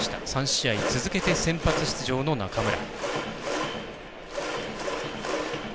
３試合続けて先発出場の中村。